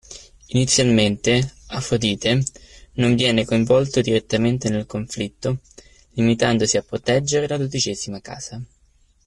Inizialmente, Aphrodite non viene coinvolto direttamente nel conflitto, limitandosi a proteggere la dodicesima casa.